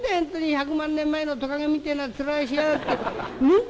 １００万年前のトカゲみてえな面しやがって。